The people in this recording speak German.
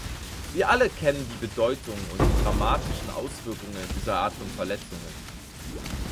Wir alle kennen die Bedeutung und die dramatischen Auswirkungen dieser Art von Verletzungen.